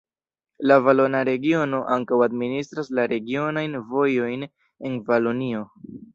La Valona Regiono ankaŭ administras la regionajn vojojn en Valonio.